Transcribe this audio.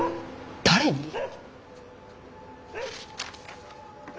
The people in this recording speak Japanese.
誰に？